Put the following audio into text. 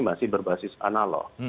masih berbasis analog